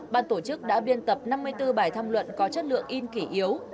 ban tổ chức đã biên tập năm mươi bốn bài thăm luận có chất lượng in kỷ yếu